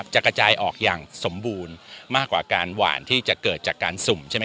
จะกระจายออกอย่างสมบูรณ์มากกว่าการหวานที่จะเกิดจากการสุ่มใช่ไหม